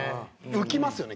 「浮きますよね」。